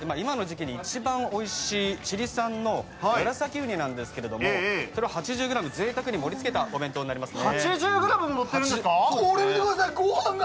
こちらは店主さんが厳選した、今の時期に一番おいしいチリ産のムラサキウニなんですけれども、それを８０グラム贅沢に盛り付けたお弁当になりますね。